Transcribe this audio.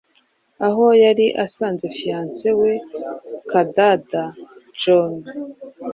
aho yari asanze fiancé we Kadada Jons